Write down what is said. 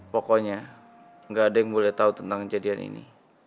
pokoknya gak ada yang boleh tau tentang kejadian ini